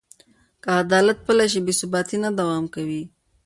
که عدالت پلی شي، بې ثباتي نه دوام کوي.